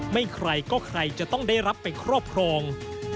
ใครก็ใครจะต้องได้รับไปครอบครอง